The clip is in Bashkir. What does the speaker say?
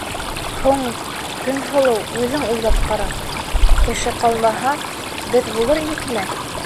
Һуң, Көнһылыу, үҙең уйлап ҡара: кеше ҡалмаһа, беҙ булыр инекме?